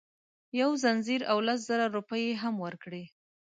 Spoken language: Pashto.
یو ځنځیر او لس زره روپۍ یې هم ورکړې.